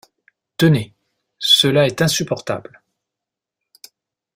Tenez ; cela est insupportable.